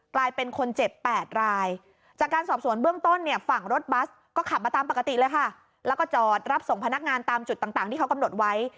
กลายเป็นคนเจ็บ๘รายจากการสอบสวนเบื้องต้นเนี่ยฝั่งรถบัสก็ขับมาตามปกติเลยค่ะแล้วก็จอดรับส่งพนักงานตามจุดต่างที่เขากำหนดไว้